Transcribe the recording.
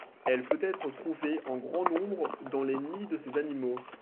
Elle peut être trouvée en grand nombre dans les nids de ces animaux.